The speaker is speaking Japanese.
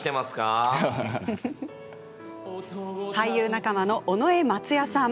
俳優仲間の尾上松也さん。